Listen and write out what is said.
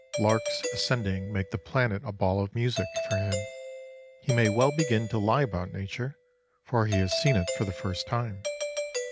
Larks ascending make the planet a ball of music for him. He may well begin to lie about nature, for he has seen it for the first time.